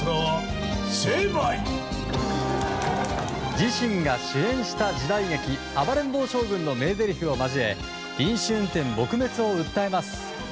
自身が主演した時代劇「暴れん坊将軍」の名ぜりふを交え飲酒運転撲滅を訴えます。